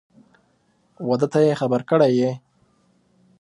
واده ته یې خبر کړی یې؟